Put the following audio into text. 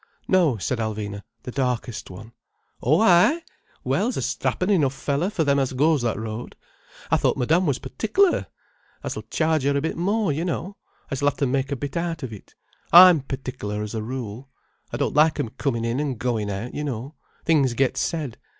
"No," said Alvina. "The darkest one." "Oh ay! Well, 's a strappin' anuff feller, for them as goes that road. I thought Madame was partikler. I s'll charge yer a bit more, yer know. I s'll 'ave to make a bit out of it. I'm partikler as a rule. I don't like 'em comin' in an' goin' out, you know. Things get said.